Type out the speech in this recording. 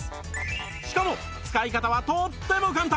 しかも使い方はとっても簡単！